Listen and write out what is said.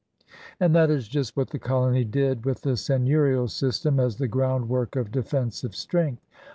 And that is just what the colony did, with the seigneiirial system as the groundwork of defensive strength.